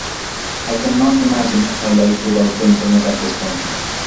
I cannot imagine my life without the Internet at this point.